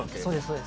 そうです